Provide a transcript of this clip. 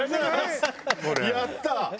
やったー！